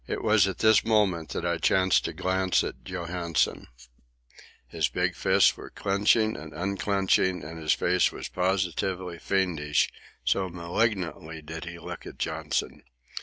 It was at this moment that I chanced to glance at Johansen. His big fists were clenching and unclenching, and his face was positively fiendish, so malignantly did he look at Johnson.